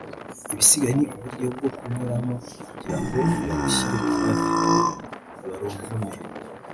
ibisigaye ni uburyo bwo kunyuramo kugira ngo barushyire ku mavi(baruvune)